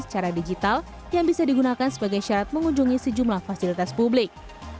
secara digital yang bisa digunakan sebagai syarat mengunjungi sejumlah fasilitas publik